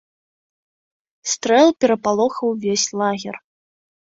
Стрэл перапалохаў увесь лагер.